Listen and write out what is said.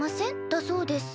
だそうです。